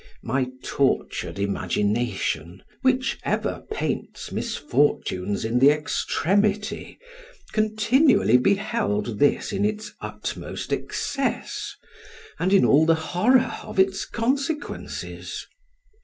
My tortured imagination (which ever paints misfortunes in the extremity) continually beheld this in its utmost excess, and in all the horror of its consequences.